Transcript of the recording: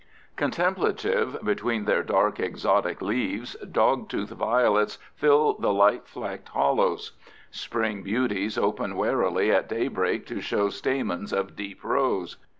Contemplative between their dark exotic leaves, dogtooth violets fill the light flecked hollows. Spring beauties open warily at daybreak to show stamens of deep rose.